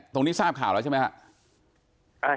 ตรงนี้ทราบข่าวแล้วใช่ไหมครับ